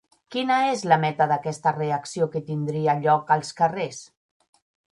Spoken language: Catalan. Quina és la meta d'aquesta reacció que tindria lloc als carrers?